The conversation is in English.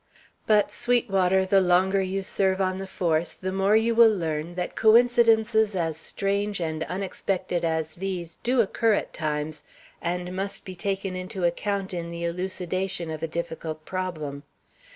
But, Sweetwater, the longer you serve on the force the more you will learn that coincidences as strange and unexpected as these do occur at times, and must be taken into account in the elucidation of a difficult problem.